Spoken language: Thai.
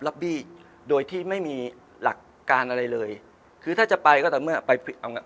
บี้โดยที่ไม่มีหลักการอะไรเลยคือถ้าจะไปก็ต่อเมื่อไปเอาไง